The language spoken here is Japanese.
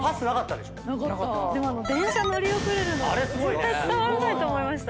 でも電車乗り遅れるの絶対伝わらないと思いました。